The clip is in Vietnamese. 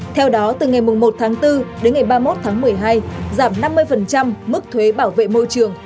theo đó từ ngày một tháng bốn đến ngày ba mươi một tháng một mươi hai giảm năm mươi mức thuế bảo vệ môi trường